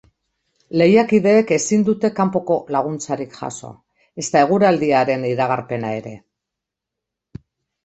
Lehiakideek ezin dute kanpoko laguntzarik jaso, ezta eguraldiaren iragarpena ere.